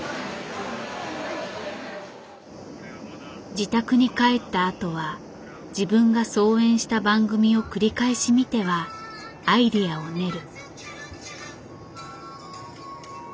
自宅に帰ったあとは自分が操演した番組を繰り返し見てはアイデアを練る。